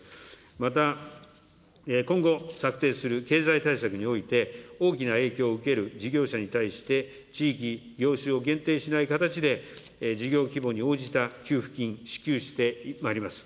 また、今後、策定する経済対策において、大きな影響を受ける事業者に対して、地域、業種を限定しない形で、事業規模に応じた給付金、支給してまいります。